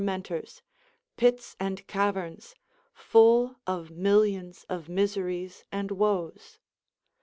173 mentors, pits and caverns, full of millions of miseries and woes.